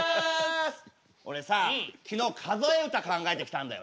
俺さ昨日数え歌考えてきたんだよね。